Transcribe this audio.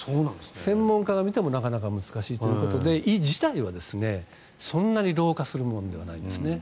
専門家が見てもなかなか難しいということで胃自体はそんなに老化するものではないんですね。